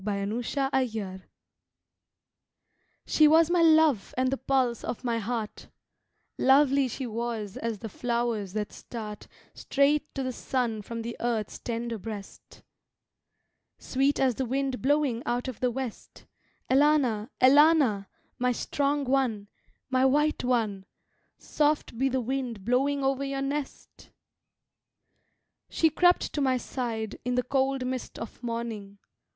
Fairy Singing SHE was my love and the pulse of my heart; Lovely she was as the flowers that start Straight to the sun from the earth's tender breast, Sweet as the wind blowing out of the west Elana, Elana, my strong one, my white one, Soft be the wind blowing over your rest! She crept to my side In the cold mist of morning.